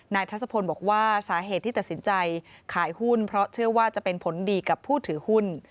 ทัศพลบอกว่าสาเหตุที่ตัดสินใจขายหุ้นเพราะเชื่อว่าจะเป็นผลดีกับผู้ถือหุ้น